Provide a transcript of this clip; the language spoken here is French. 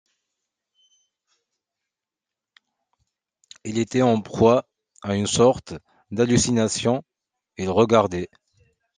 Il était en proie à une sorte d’hallucination ; il regardait.